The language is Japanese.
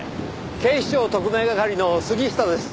警視庁特命係の杉下です。